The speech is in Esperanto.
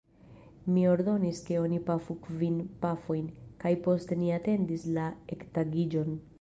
Mi ordonis ke oni pafu kvin pafojn, kaj poste ni atendis la ektagiĝon.